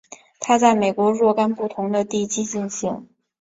它在美国若干不同的基地进行。